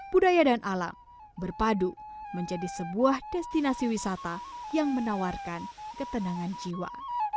budaya dan alam berpadu menjadi sebuah destinasi wisata yang menawarkan ketenangan jiwa